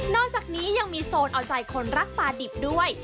จากนี้ยังมีโซนเอาใจคนรักปลาดิบด้วย